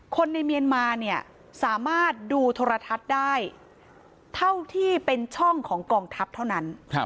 คนในเมียนมาเนี่ยสามารถดูโทรทัศน์ได้เท่าที่เป็นช่องของกองทัพเท่านั้น